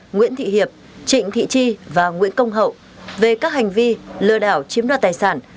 nguyễn thị hiệp trịnh thị tri và nguyễn công hậu về các hành vi lừa đảo chiếm đoạt tài sản